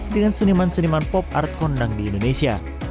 dengan seniman seniman pop art kondang di indonesia